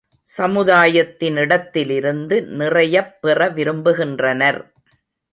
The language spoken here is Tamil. சமுதாயத்தினிடத்திலிருந்து நிறையப் பெற விரும்புகின்றனர்.